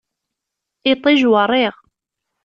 Iṭij werriɣ.